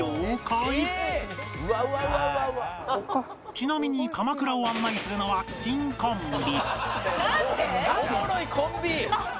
ちなみに鎌倉を案内するのは珍コンビ